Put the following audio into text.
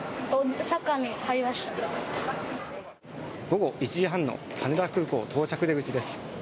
午後１時半の羽田空港到着出口です。